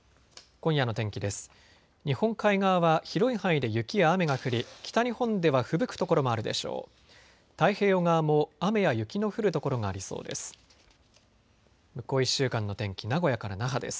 今夜の天気です。